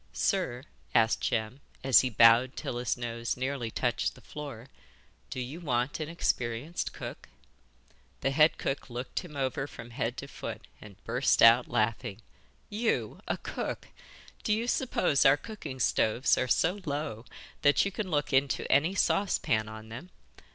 'Sir,' asked Jem, as he bowed till his nose nearly touched the floor, 'do you want an experienced cook?' The head cook looked him over from head to foot, and burst out laughing. 'You a cook! Do you suppose our cooking stoves are so low that you can look into any saucepan on them?